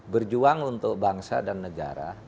berjuang untuk bangsa dan negara